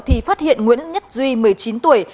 thì phát hiện nguyễn nhất duy một mươi chín tuổi